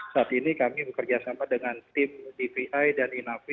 saat ini kami bekerjasama dengan tim dvi dan inavi